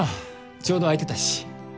ちょうど空いてたし。